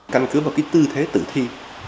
căn cứ vào cái tư thế tử thi